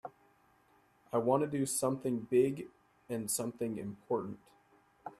I want to do something big and something important.